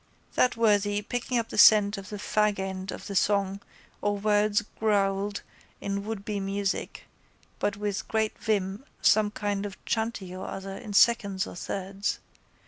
That worthy picking up the scent of the fagend of the song or words growled in wouldbe music but with great vim some kind of chanty or other in seconds or thirds.